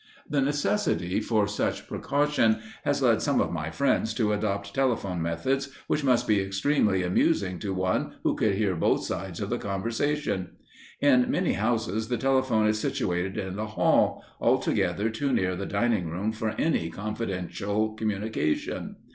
The necessity for such precaution has led some of my friends to adopt telephone methods which must be extremely amusing to one who could hear both sides of the conversation. In many houses the telephone is situated in the hall, altogether too near the dining room for any confidential communication.